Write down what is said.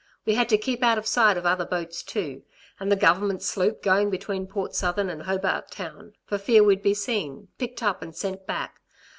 We had to keep out of sight of other boats too, and the Government sloop going between Port Southern and Hobart Town, for fear we'd be seen, picked up and sent back.